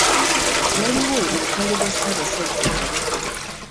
Waliwo obutale bwa Ssaabasajja Kabaka.